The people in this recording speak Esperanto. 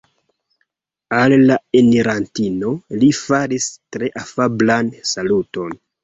Al la enirantino li faris tre afablan saluton.